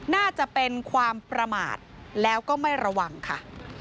น่าจะเป็นความประมาทแล้วก็ไม่ระวังค่ะ